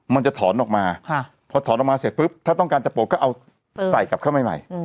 มันจะถอนออกมาพอถอนออกมาเสร็จปุ๊บถ้าต้องการจะปลดก็เอาใส่กลับเข้ามาใหม่